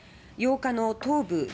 ８日の東部